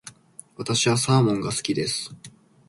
私はサーモンが好きです。